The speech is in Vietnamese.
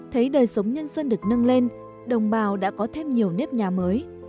thấy đời sống nhân dân được nâng lên đồng bào đã có thêm nhiều nếp nhà mới